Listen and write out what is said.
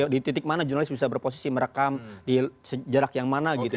di titik mana jurnalis bisa berposisi merekam di jarak yang mana gitu